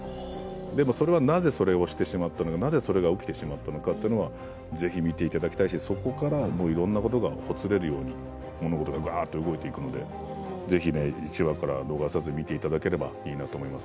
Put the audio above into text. でもそれはなぜそれをしてしまったのかなぜそれが起きてしまったのかというのはぜひ見ていただきたいしそこから、いろんなことがほつれるように物事がわっと動いていくのでぜひ１話から逃さず見ていただければいいなと思います。